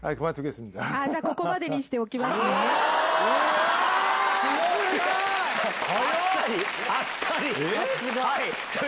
じゃあ、ここまでにしておきうわー、すごい。